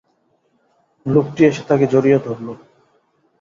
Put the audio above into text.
লোকটি এসে তাঁকে জড়িয়ে ধরল।